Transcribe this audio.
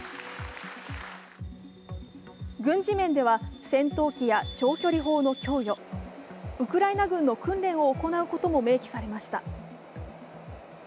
軍事面では、戦闘機や長距離砲の供与、ウクライナ軍の訓練を行うことも明記されました。